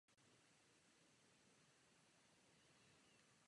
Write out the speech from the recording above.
Byl to takový pokus.